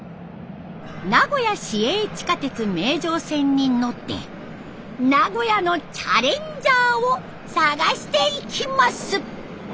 名古屋市営地下鉄名城線に乗って「名古屋のチャレンジャー」を探していきます。